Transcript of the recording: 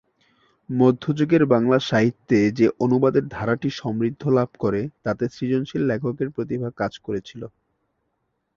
মধ্যযুগের বাংলা সাহিত্যে যে অনুবাদের ধারাটি সমৃদ্ধি লাভ করে তাতে সৃজনশীল লেখকের প্রতিভা কাজ করেছিল।